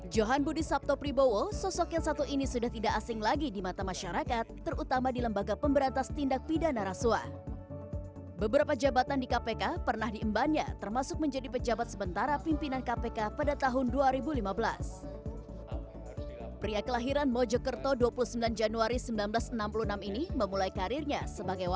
jangan lupa like share dan subscribe channel ini